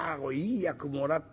いい役もらった。